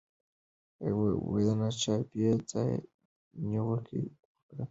نه دا چې بې ځایه نیوکې وکړي.